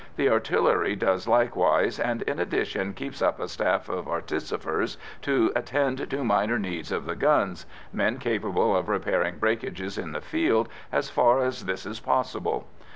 The artillery does likewise, and in addition keeps up a staff of artificers to attend to minor needs of the guns men capable of repairing breakages in the field, as far as this is possible.